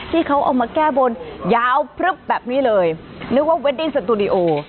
ที่เขาเอามาแก้บนยาวพลึบแบบนี้เลยนึกว่าเวดดิ้งสตูดิโอ